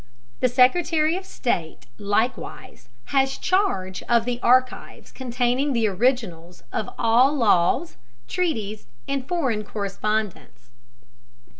The Secretary of State likewise has charge of the archives containing the originals of all laws, treaties, and foreign correspondence.